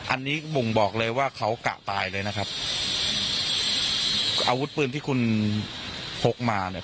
อันนี้บ่งบอกเลยว่าเขากะตายเลยนะครับอาวุธปืนที่คุณพกมาเนี่ย